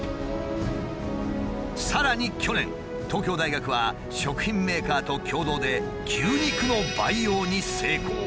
さらに去年東京大学は食品メーカーと共同で牛肉の培養に成功。